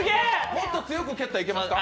もっと強く蹴ったらいけますか？